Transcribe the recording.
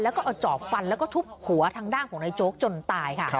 แล้วก็เอาจอบฟันแล้วก็ทุบหัวทางด้านของนายโจ๊กจนตายค่ะ